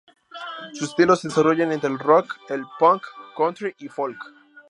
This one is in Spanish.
Sus estilos se desarrollan entre el rock, punk, country y folk.